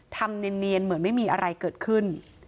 ทำเนียนเหมือนไม่มีอะไรเกิดขึ้น